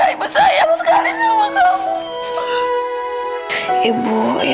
ibu gak mau kehilangan kamu amira